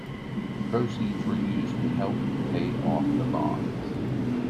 Proceeds were used to help pay off the bonds.